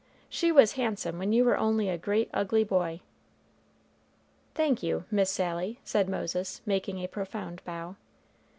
"She was handsome when you were only a great ugly boy." "Thank you, Miss Sally!" said Moses, making a profound bow.